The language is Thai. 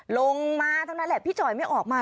ลงมาเท่านั้นแหละพี่จอยไม่ออกมา